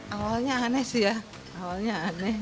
awalnya aneh sih ya awalnya aneh